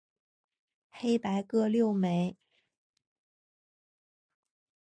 黑白各六枚。